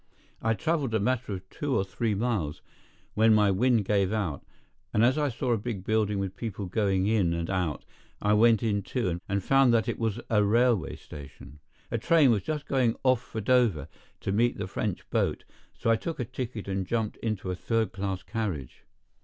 I traveled a matter of two or three miles, when my wind gave out; and as I saw a big building with people going in and out, I went in too, and found that it was a railway station. A train was just going off for Dover to meet the French boat, so I took a ticket and jumped into a third class carriage.